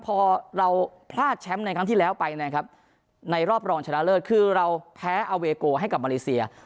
พอเราพลาดแชมป์ในครั้งที่แล้วไปนะครับในรอบรองชนะเลิศคือเราแพ้อาเวโกให้กับมาเลเซีย